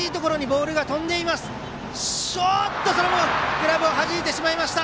グラブをはじいてしまいました。